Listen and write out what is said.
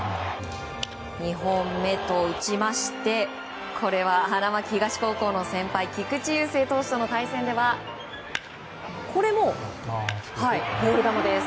２本目と打ちましてこれは花巻東高校の先輩菊池雄星投手との対戦ではこれも、ボール球です。